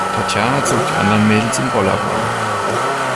Tatjana zog die anderen Mädels im Bollerwagen.